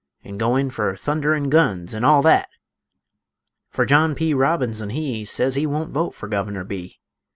An' go in fer thunder an' guns, an' all that; Fer John P. Robinson he Sez he wunt vote fer Guvener B.